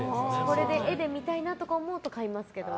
絵で見たいなと思うと買いますけど。